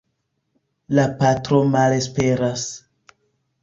La patro malesperas.